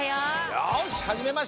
よしはじめましょう。